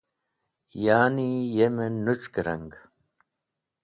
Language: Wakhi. Ya’ni yem-e nũc̃hk rang.